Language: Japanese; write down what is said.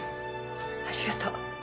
ありがと。